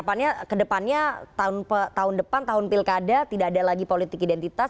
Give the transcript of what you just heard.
kedepannya kedepannya tahun depan tahun pilkada tidak ada lagi politik identitas